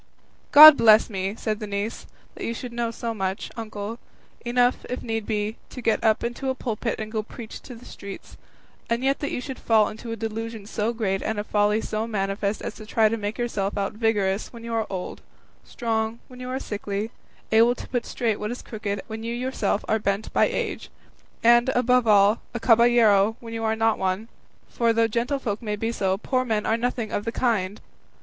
"God bless me!" said the niece, "that you should know so much, uncle enough, if need be, to get up into a pulpit and go preach in the streets and yet that you should fall into a delusion so great and a folly so manifest as to try to make yourself out vigorous when you are old, strong when you are sickly, able to put straight what is crooked when you yourself are bent by age, and, above all, a caballero when you are not one; for though gentlefolk may be so, poor men are nothing of the kind!"